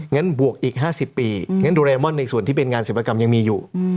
ฉบวกอีก๕๐ปีงั้นโดเรมอนในส่วนที่เป็นงานศิลปกรรมยังมีอยู่